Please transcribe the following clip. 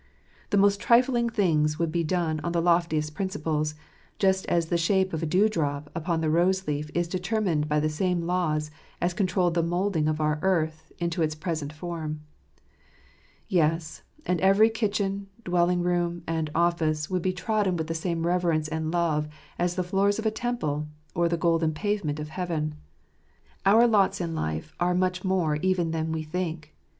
The most trifling things would be done on the loftiest principles, just as the shape of a dew drop upon a rose leaf is determined by the same laws as controlled the moulding of our earth into its present form. Yes : and every kitchen, dwelling room, and office, would be trodden with the same reverence and love as the floors of a temple or the golden pavement of heaven. Our lots in life are much more even than we think.